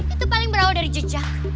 itu paling berawal dari jejak